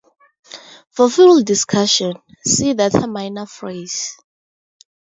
For full discussion, see Determiner phrase.